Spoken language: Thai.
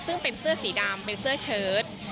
ซึ่งเป็นเสื้อสีดำเป็นเสื้อเชิด